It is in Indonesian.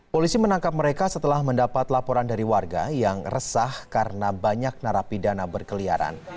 polisi menangkap mereka setelah mendapat laporan dari warga yang resah karena banyak narapidana berkeliaran